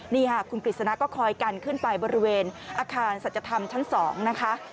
นี่ค่ะคุณกฤษณะก็คอยกันขึ้นไปบริเวณอาคารสัจธรรมชั้น๒นะคะ